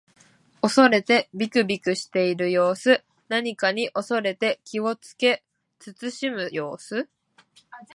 恐れてびくびくしている様子。何かに恐れて気をつけ慎む様子。